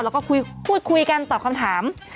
แล้วก็พูดคุยกันตอบคำถาม